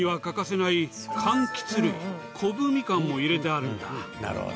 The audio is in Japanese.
なるほど。